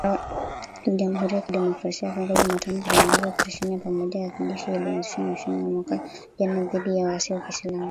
Uganda na Jamhuri ya Kidemokrasi ya Kongo, Jumatano ziliongeza operesheni ya pamoja ya kijeshi iliyoanzishwa mwishoni mwa mwaka jana dhidi ya waasi wa kiislam